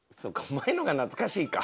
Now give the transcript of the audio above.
前のが懐かしいか。